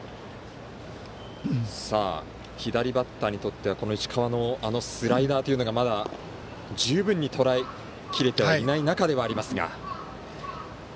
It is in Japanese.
左バッターにとっては石川のスライダーというのがまだ十分にとらえきれてはいない中ではありますが。